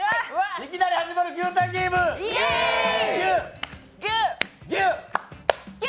いきなり始まる牛タンゲーム、牛。